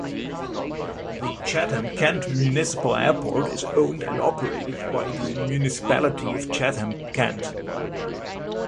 The Chatham-Kent Municipal Airport is owned and operated by the Municipality of Chatham-Kent.